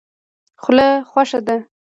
خوله خوښه ده.